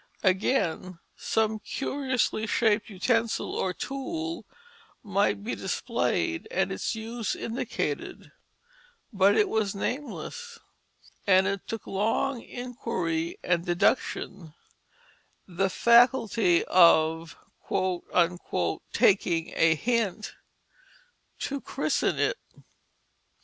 Again, some curiously shaped utensil or tool might be displayed and its use indicated; but it was nameless, and it took long inquiry and deduction, the faculty of "taking a hint," to christen it.